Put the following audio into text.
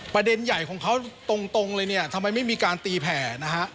ประเด็นใหญ่ของเขาตรงเลยเนี่ยทำไมไม่มีการตีแผ่นะฮะ